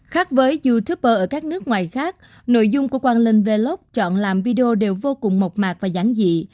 khác với youtuber ở các nước ngoài khác nội dung của quang linh vellog chọn làm video đều vô cùng mộc mạc và giản dị